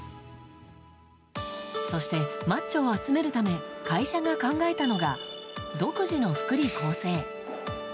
そして、マッチョを集めるため会社が考えたのが独自の福利厚生。